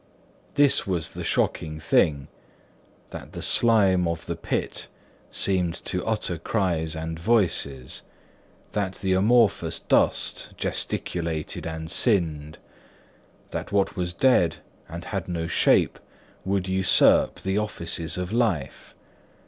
This was the shocking thing; that the slime of the pit seemed to utter cries and voices; that the amorphous dust gesticulated and sinned; that what was dead, and had no shape, should usurp the offices of life.